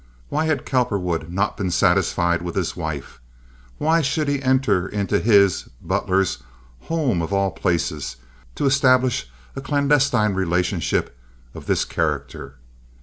Why had Cowperwood not been satisfied with his wife? Why should he enter into his (Butler's) home, of all places, to establish a clandestine relationship of this character?